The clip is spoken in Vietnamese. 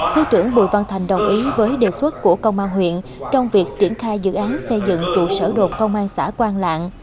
thứ trưởng bùi văn thành đồng ý với đề xuất của công an huyện trong việc triển khai dự án xây dựng trụ sở đột công an xã quang lạng